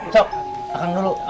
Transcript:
cok akan dulu